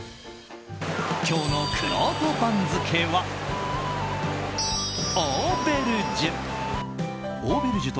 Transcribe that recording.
今日のくろうと番付はオーベルジュ！